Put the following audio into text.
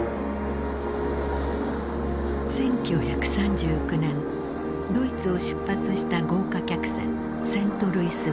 １９３９年ドイツを出発した豪華客船セントルイス号。